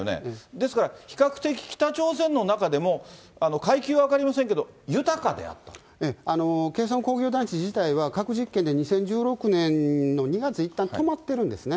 ですから、比較的北朝鮮の中でも階級は分かりませんけど、豊かでケソン工業団地自体は、核実験で２０１６年の２月、いったん止まってるんですね。